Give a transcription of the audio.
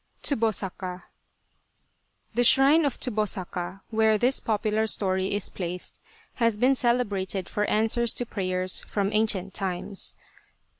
Tsubosaka The shrine of Tsubosaka, where this popular story is placed, has been celebrated for answers to prayers from ancient times.